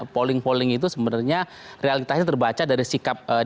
polling polling itu sebenarnya realitasnya terbaca dari sikap